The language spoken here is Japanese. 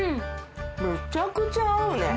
めちゃくちゃ合うね。